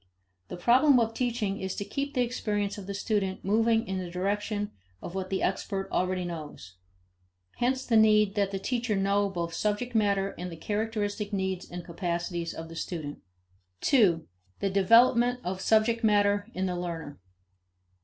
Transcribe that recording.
1 The problem of teaching is to keep the experience of the student moving in the direction of what the expert already knows. Hence the need that the teacher know both subject matter and the characteristic needs and capacities of the student. 2. The Development of Subject Matter in the Learner.